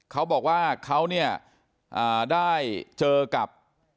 เขาบอกว่าเขาเนี่ยได้เจอกับ